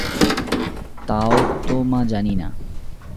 তা-ও তো মা জানি না।